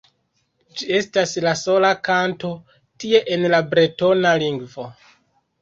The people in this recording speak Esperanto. Ĝi estas la sola kanto tie en la bretona lingvo.